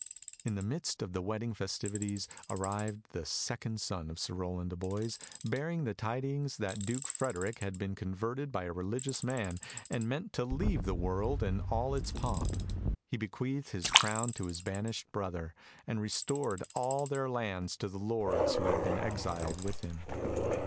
In the midst of the wedding festivities arrived the second son of Sir Rowland de Boys, bearing the tidings that Duke Frederick had been converted by a religious man, and meant to leave the world and all its pomp. He bequeathed his crown to his banished brother, and restored all their lands to the lords who had been exiled with him.